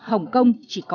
hồng kông chỉ có ba bảy